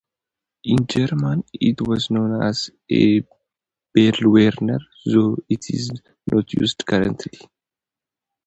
In German it was known as "Bewiler" though this is not used currently.